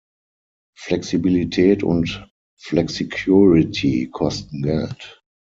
Flexibilität und Flexicurity kosten Geld.